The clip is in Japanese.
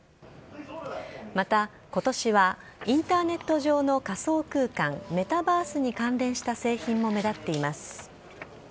また、今年はインターネット上の仮想空間メタバースに関連した製品も目立っています。